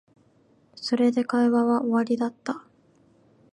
それで会話は終わりだった